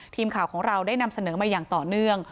ทีมข่าวของเราได้นำเสนอมาอย่างต่อเนื่อง